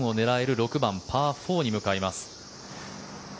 ６番パー４に向かいます。